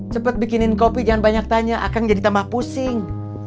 cepat bikinin kopi jangan banyak tanya akan jadi tambah pusing